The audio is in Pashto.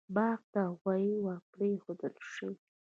باغ ته غواوې ور پرېښودل شوې.